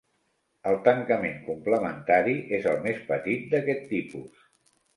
El tancament complementari és el més petit d'aquest tipus.